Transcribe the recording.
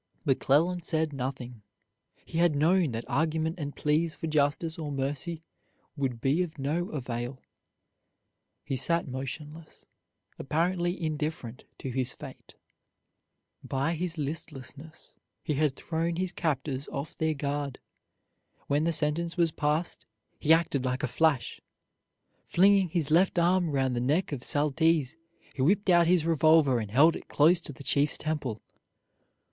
McClellan said nothing. He had known that argument and pleas for justice or mercy would be of no avail. He sat motionless, apparently indifferent to his fate. By his listlessness he had thrown his captors off their guard. When the sentence was passed he acted like a flash. Flinging his left arm around the neck of Saltese, he whipped out his revolver and held it close to the chief's temple.